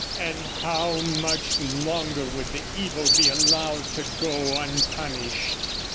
And how much longer would the evil be allowed to go unpunished?